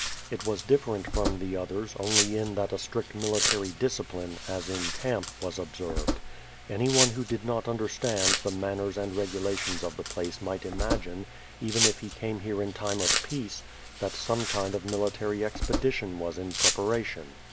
It was different from tiie others only in that a strict military discipline, as in camp, was observed. Anyone who did not understand the manners and regulations of the place might imagine, even if he came here in time of peace, that some kind of military expedition was in preparation.